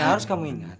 harus kamu ingat